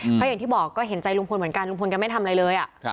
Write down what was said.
เพราะอย่างที่บอกก็เห็นใจลุงพลเหมือนกันลุงพลแกไม่ทำอะไรเลย